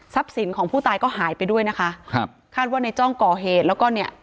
ทรัพย์สินของผู้ตายก็หายไปด้วยนะคะคาดว่านายจ้องก่อเหตุแล้วก็เนี่ย